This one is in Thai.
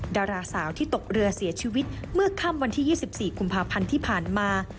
ดาราสาวที่ตกเรือเสียชีวิตเมื่อค่ำวันที่๒๔กุมภาพันธ์ที่ผ่านมา